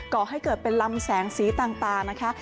ก่อให้เกิดเป็นลำแสงสีต่างนะคะ